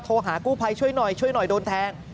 โทรหากู้ไภช่วยหน่อยโดนแทง